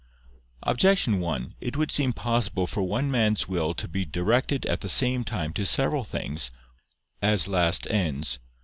Objection 1: It would seem possible for one man's will to be directed at the same time to several things, as last ends.